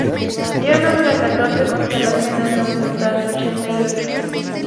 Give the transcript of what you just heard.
Dio nombre a catorce constelaciones de un total de ochenta y ocho.